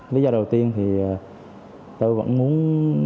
bây giờ đầu tiên thì tôi vẫn muốn